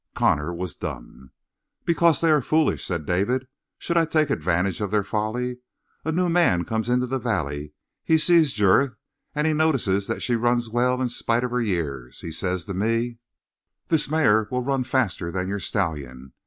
Connor was dumb. "Because they are foolish," said David, "should I take advantage of their folly? A new man comes into the valley. He sees Jurith, and notices that she runs well in spite of her years. He says to me: 'This mare will run faster than your stallion.